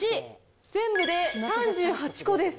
全部で３８個です。